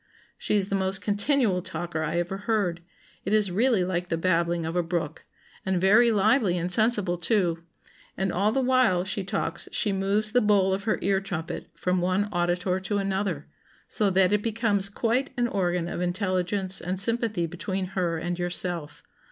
She is the most continual talker I ever heard; it is really like the babbling of a brook; and very lively and sensible too; and all the while she talks she moves the bowl of her ear trumpet from one auditor to another, so that it becomes quite an organ of intelligence and sympathy between her and yourself....